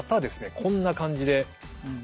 こんな感じで。